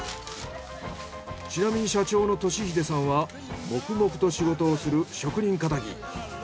ちなみに社長の敏秀さんは黙々と仕事をする職人かたぎ。